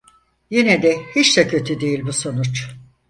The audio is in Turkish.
Yine de hiç de kötü değil bu sonuç.